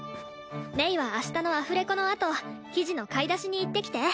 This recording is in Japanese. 鳴は明日のアフレコのあと生地の買い出しに行ってきて。